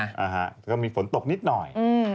อ่าฮะก็มีฝนตกนิดหน่อย